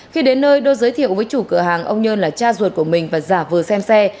khi đến nơi đô giới thiệu với chủ cửa hàng ông nhơn là cha ruột của mình và giả vừa xem xe